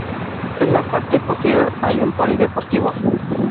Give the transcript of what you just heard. En la parte posterior hay un polideportivo.